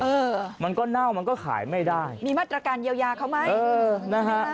เออมันก็เน่ามันก็ขายไม่ได้มีมาตรการเยียวยาเขาไหมเออนะฮะ